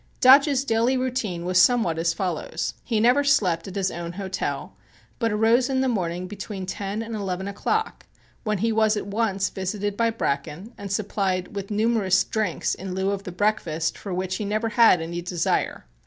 Dodge's daily routine was somewhat as follows: He never slept at his own hotel, but arose in the morning between ten and eleven o'clock, when he was at once visited by Bracken and supplied with numerous drinks in lieu of the breakfast for which he never had any desire.